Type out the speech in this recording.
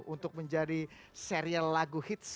untuk menjadi serial lagu hits